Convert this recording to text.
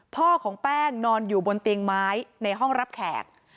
พ่อของแป้งนอนอยู่บนเตียงไม้ในห้องรับแขก